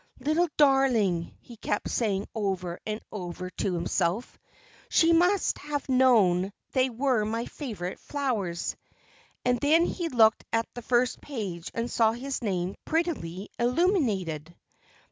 "Little darling," he kept saying over and over to himself, "she must have known they were my favourite flowers." And then he looked at the first page and saw his name prettily illuminated.